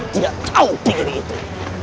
dia tahu tinggal itu